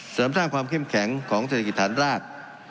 เสริมสร้างความเข้มแข็งของเศรษฐกิจฐานราก